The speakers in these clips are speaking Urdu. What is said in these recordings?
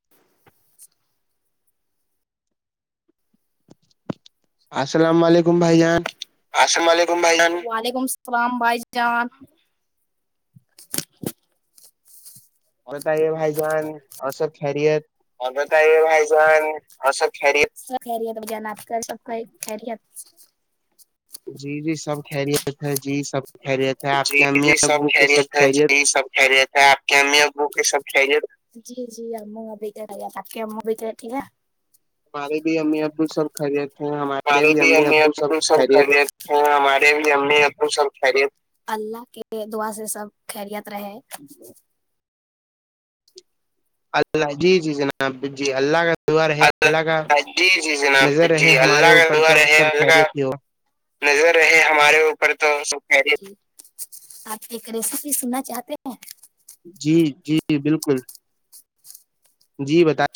[inaudible] السلام علیکم بھائی جان السلام علیکم بھائی وعلیکم السلام بھائی جان اور بتائیے بھائی جان اور سب خیریت اورد ت یہ بائی جان اوک خریت کا خیریت ہو گیا ن آپ کا سب کا ایک خیریت جی جی سب خیریت ہے جی سب جی جی سب خریت تھا جی سب خریت جی جیق بھیرا ہمارے بھی امی ابو سب خیریت تھ ہمارے بھی امی ابو سب خیریت ہاں ہمارے بھی ہم نے اپ سب خریت اللہ کے دعا سے سب خیریت رہے اللہ جی جی جناب جی اللہ کا داے اللہ کا نظر رہے ہمارے اوپر تو سب خریت تھی وہ نظر رہے ہمارے اوپر تو سب پ آپ ایک ریسیپی سننا چاہتے ہیں جی جی بالکل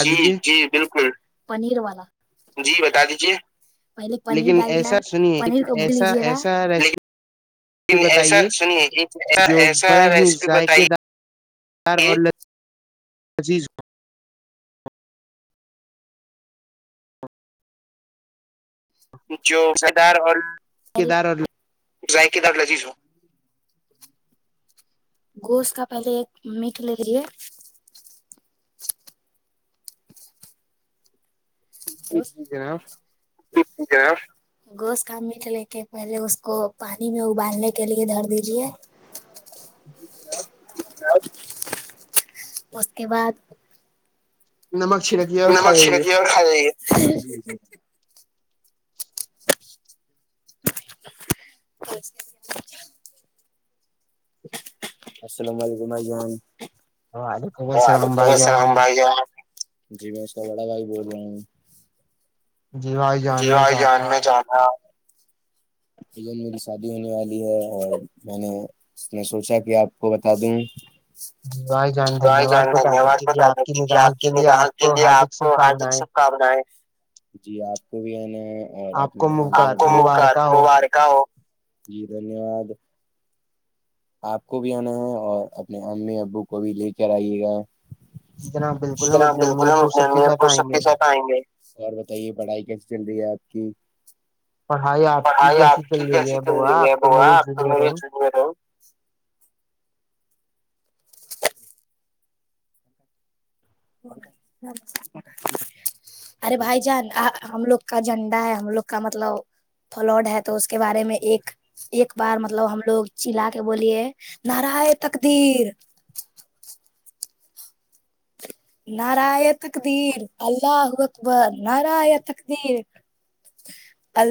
جی جی بالکل پنیر والا جی بتا دیجیے پہلے پنیر ڈالیا پنیر کو بک لیجے گا ایسا سنیے ایک ایسا ریسیپی بتائی جی جو سدار اور جائ کیدار لجی س گوشت کا پہلے ایک میٹ لےجے کیا گوشت کا مٹ لے کے پہلے اس کو پانی میں ابالنے کے لیے دھر دیجے جی جناب اس کے بعد نمک چک جی جی ںوو السلام علیکم ر جان وعلیکم السلام بھائی جی میں بڑا بھائی بول رہا ہوں جی بھائی جی بھائی جان میں جانا اون میری شادی ہونے والی ہے اور میں نے اس نے سوچا کہ آپ کو بتا دوں جان دھن واد بتا دیں کی کہ آپ کی نگاہ کے لیے آپ کو ہاردک ش جی آپ کو بھی آنا ہے اور اپنے کا ہو جی دھن واد آپ کو بھی آنا ہے اور اپنے امی ابو کو بھی لے کر آئیے گا جنا بالکل ہم پک کی سات ائیں اور بتائیے پڑھائی کیس چل رہی ہے آپ کی پڑھائییا پڑھائی آپ کی کیسی چل رہی ہے بوا آپ تو میں یہ چن رہا ہوں چ ارے بھائی جان ہم لوگ کا جھنڈا ہے ہم لوگ کا مطلب پلڈ ہے تو اس کے بارے میں ایک ایک بار مطلب ہم لوگ چلا کے بولیے نارائے تقدیر ناریتک دیر اللہ ہوگت ناریتک دیر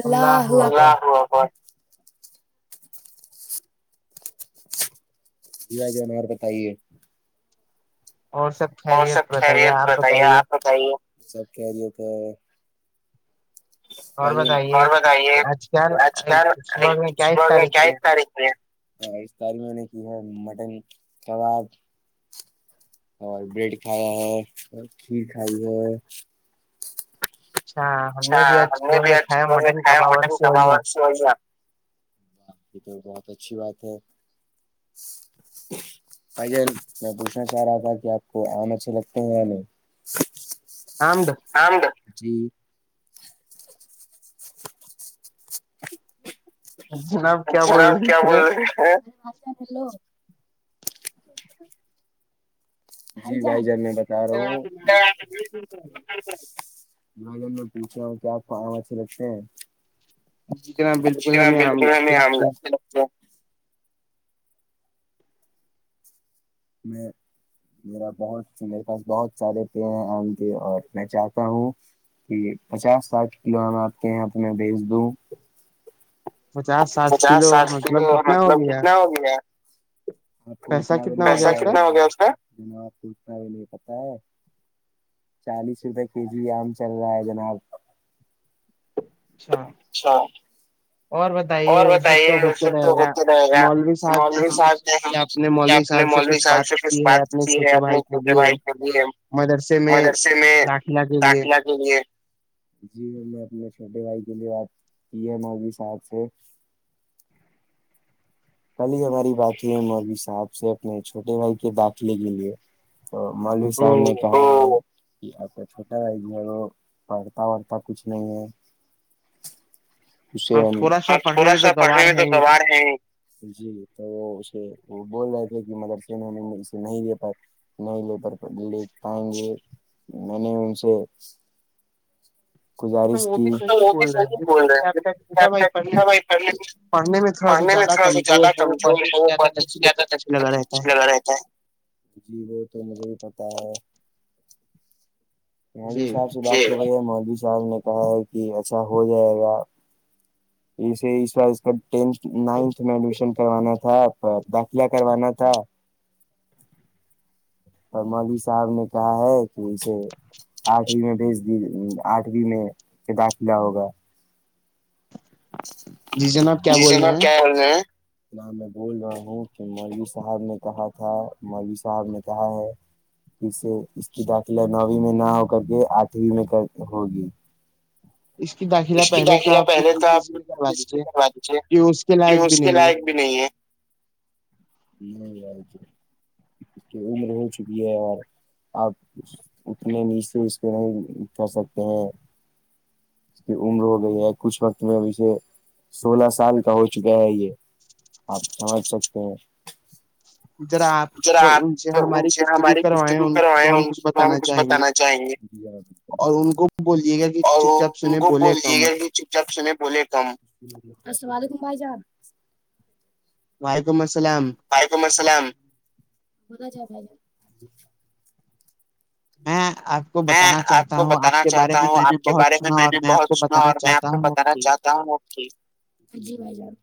اللہ وف کو ہور بتائی اور سب اور سب کیریر بتائیے آپ بتائیے سب کیریر اور بتائیے آج کیا صبح میں کیاس تاریخ میں ہے اس تاری میں نے کی ہے مٹن کباب اور بریڈ کھایا ہے اور کھیر کھائی ہے اچھا ہم نے بھی آج میں کایا مٹن کماور باقی تو بہت اچھی بات ہے اجل میں پوچھنا چاہ رہا تھا کہ آپ کو آم اچھے لگتے ہیں ہمیں آمدہ سم گپ جی ںںو جناب جناب کیا بول رہے ہیں جی بھائی جان میں بتا رہا ہوں میں پوچھ رہا ہوں کیا آپ کام اچھے لگتے ہیں بالکل آملہ میں میرا بہت سے میرے پاس بہت سارے پڑ ہیں آ کے اور میں چاہتا ہوں پچاس ساٹھ کلو ہم آپتے ہیں اپنے بھیج دووں پچاس ساٹھ کلو مطلب کتنا ہو گیا آپ کو اتنا کتنا ہو گیا کا ج آپ کو اتنا بھیل پتا ہے چالیس روپئے کے جی آم چل رہا ہے جناب اچھا اور بتائیے وہ سب تو ہوتے رہے گا مولوی صاحب نے ہم نے سنا آپ نے مولوی صاحب سے کچھ بات ہے اپنے چھوٹے بھائی کے لیے مدرسے میں داخلہ کے لیے جی میں اپنے چھوٹے بھائی کے لیے بات کی ہے مب صاحب سے کل ہی ہماری بات یہ ہے موروی صاحب سے اپنے چھوٹے بھائی کے داخلے کے لیے تو ملو صاب نے کہ اپ کا چھوٹا بھائی ہے وہ پڑھتا وڑھتا کچھ نہیں ہے ہاں تھوڑا سا پڑھنے میں تو گوار ہے ہی ہیں جی تو وہ اسے وہ بول رہے تھے کہ مدرک میں ہم اسے نہیں دے پائے نہیں لےر لے پائیں گے میں نے ان سے [inaudible] ہم تو وہ بھی صحیح بول رہے ہیں کیاوٹا بھائی پڑھنے میں پڑنے میں تھوڑا سا زیادہ زیادہ کمزور ہو پر زیادہ رہ جی وہ تو مجھے ہی پتا ہے مودوی صاحب سے بات کر رہے ہے مودوی صاحب نے کہا ہے کہ اچھا ہو جائے گا اسے اس بار اس کا ٹینھ نائنتھ میں ایڈمیشن کروانا تھا داخلہ کروانا تھا [inaudible] اور مالوی صاحب نے کہا ہے اسے آٹھویں میں بھیج دی آٹھویں میں کہ داخلہ ہوگا جی جناب کیا ہو رہے ہیں نا میں بول رہا ہوں کہ مولوی صاحب نے کہا تھا مولوی صاحب نے کہا ہے سے اس کی داخلہ نوویں میں نہ ہو کر کے آٹھویں میں کر ہوگی اس کی داخیرہ پہلے تو آپ نوس بھی کروا دیجیے کہ اس کے لائق بھی نہیں ہے نہیں اس کی عمر ہو چکی ہے اور آپ اتنے نیچ سے اس پہ نہیں پ سکتے ہیں کی عمر ہو گئی ہے کچھ وقت میں اب سے سولہ سال کا ہو چکا ہے یہ آپ سمجھ سکتے ہیں جرا آپ تو ان سے ہماری گفتگو کروائےیں ان کو ہم کچھ بتانا چاہیں گے اور ان کو بھی بوللیجیے گا کہ چپ چاپ سنے بولے کم چک سنے بولے کم اس والل گم بھائی جان وعلیکم السلام وعلیکم السلام میں آب آ کو بتانا چاہتا ہوں آپ کے بارے میں میں نے بہت سنا اور میں آپ کو بتانا چاہتا ہوں کہ جی بھائی جان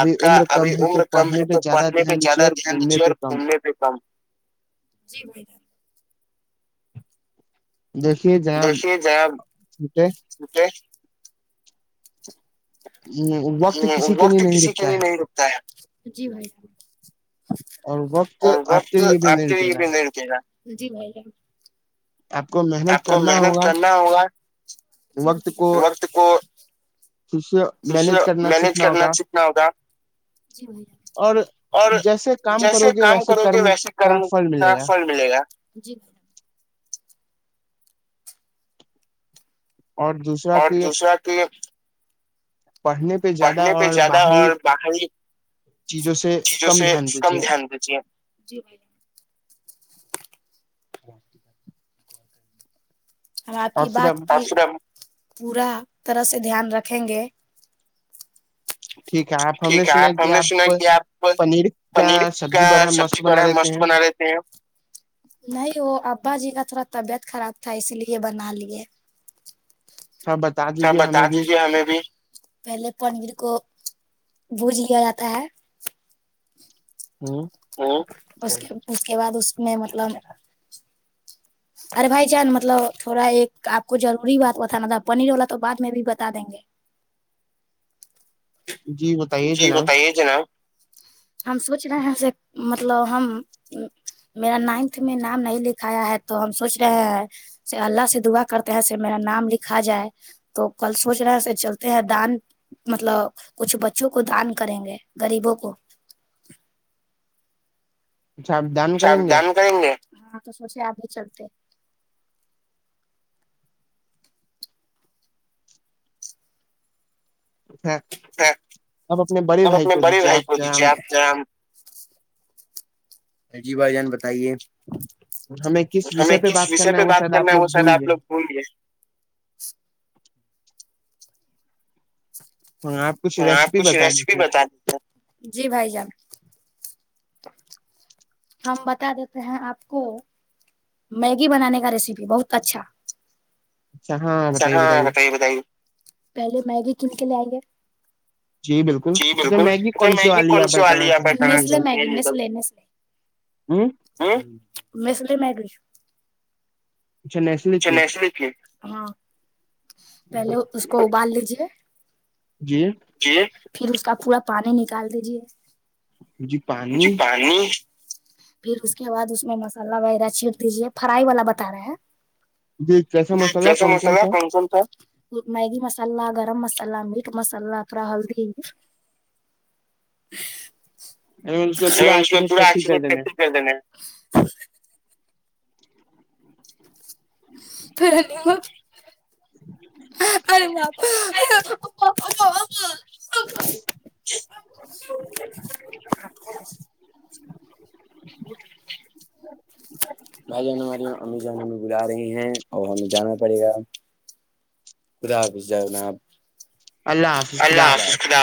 آپ کا ابھی عمر کم ہے تو پڑھنے پہ زیادہ دھیان دیجیے اور گھومنے پہ کم [inaudible] جی جان دیکھیے جہ جی وقت کسی کے لیے نہیں رکتا ہے جھ اور وقت آپ کے لیے بھی نہیں گا ج بھ آپ کو محنت کرنا ہوگا وقت کو مینج کرنا سیکنا ہوگا اور جیسے کام کرو گے ویسے کرمو کا ھل ملے گا جی اور دوسرا کہ پڑھنے پڑھنے پہ زیادہ اور باہری چیزوں سے کم دھیان دیجیے جی بھالی ہم آپ کی بات پر پورا طرح سے دھیان رکھیں گے ٹھیک ہے آپ ہم نے سنا کہ آپ پنیر کا سب سے بڑا ہے مست بنا رہے تھ سے نہیں وہ ابا جی کا تھوڑا طبیعت خراب تھا اس لیے بنا لیے کیا بتا دیجیے ہمیں بھی پہلے پنیر کو بوجھ لیا جاتا ہے ہمم اس کے بعد اس میں مطلب ارے بھائی چان مطلب تھوڑا ایک آپ کو ضوری بات بتانا تھا پنیر والولا تو بعد میں بھی بتا دیں گے [inaudible] جی بتائیے جناب ہم سوچ رہے ہیں سے مطلب ہم میرا نائنتھ میں نام نہیں لکھایا ہے تو ہم سوچ رہے ہیں اللہ سے دعا کرتے ہیں سے میرا نام لکھا جائے تو کل سوچ رہے سے چلتے ہیں دان مطلب کچھ بچوں کو دان کریں گے غریبوں کو اچھا دام کریں گے ہاں تو سوچے آپ ہی چلتے اب اپنے بڑے بھائی کو دیجیے آپ ج اجی بھائی جان بتائیے ہمیں کس وشے پہ بات کرنا ہے وہ شاید آپ لوگ بھول گے ہاں آپ کچھ ریسیپی بتا دیج جی بھائی جان ہم بتا دیتے ہیں آپ کو میگی بنانے کا ریسیپی بہت اچھا ہاں بتاے بتاے پہلے میگی کن کے لےئیں گے جی بالکل میگی کون سیی ہمم مسل مگی ہاں پہلے اس کو ابال لیجے جی پھر اس کا پورا پانی نکال دیجیے پانی پھر اس کے بعد اس میں مسالہ وغیرہ دیجے فرائی والا بتا رہے ہیں جی جسا مسالا کون کون س مگی مسالا گرم مسالا میٹ مسالا اترا ہلدی اس پورا اچھے سے تیک کر دینا کتےینے [unintelligible] ا [unintelligible] [unintelligible] ا [unintelligible] بھائی جان ہماریاں امی جان ہمیں بلا رہی ہیں اور ہمیں جانا پڑے گا خدا حافظ جناب اللہ حافظ خا